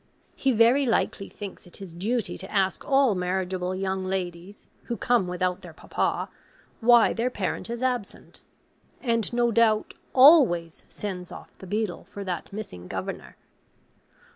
He very likely thinks it his duty to ask all marriageable young ladies, who come without their papa, why their parent is absent; and, no doubt, ALWAYS sends off the beadle for that missing governor.